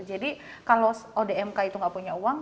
jadi kalau odmk itu nggak punya uang